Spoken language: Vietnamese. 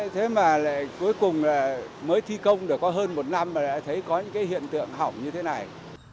thế mà cuối cùng mới thi công được có hơn một năm mà đã thấy có những hiện tượng hỏng như thế này